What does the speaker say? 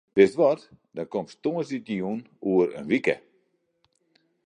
Wist wat, dan komst tongersdeitejûn oer in wike.